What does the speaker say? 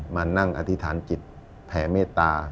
มานั่งอธิษฐานจิตแผ่เมตตา